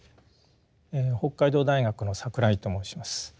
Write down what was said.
北海道大学の櫻井と申します。